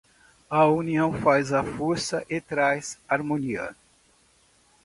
A união faz a força e traz harmonia.